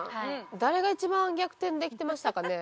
誰が一番逆転できてましたかね？